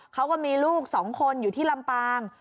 เขาก็มีลูก๒คนอยู่ที่ลำปาง